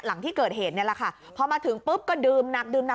หลังที่เกิดเหตุนี่แหละค่ะพอมาถึงปุ๊บก็ดื่มหนักดื่มหนัก